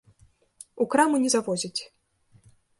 У краму не завозяць.